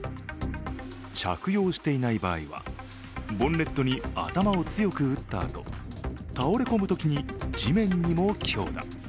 着用していない場合はボンネットに頭を強く打ったあと、倒れ込むときに地面にも強打。